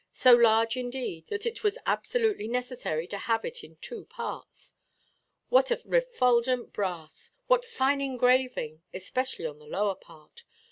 So large, indeed, that it was absolutely necessary to have it in two parts. What refulgent brass! What fine engraving, especially on the lower part!